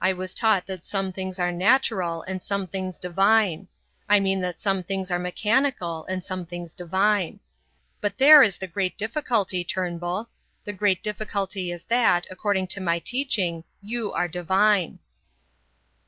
I was taught that some things are natural and some things divine. I mean that some things are mechanical and some things divine. But there is the great difficulty, Turnbull. The great difficulty is that, according to my teaching, you are divine."